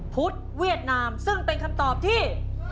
เวียดนามซึ่งเป็นคำตอบที่